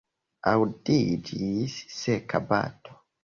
Aŭdiĝis seka bato.